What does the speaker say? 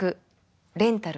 “レンタル